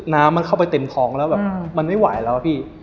น้ำมันเข้าไปเต็มท้องแล้วแบบมันไม่ไหวแล้วอะพี่